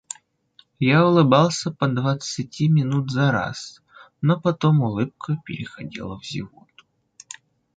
Я улыбался по двадцати минут зараз, но потом улыбка переходила в зевоту.